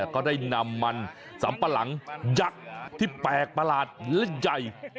ก็ได้นำมันสัมปะหลังยักษ์ที่แปลกประหลาดและใหญ่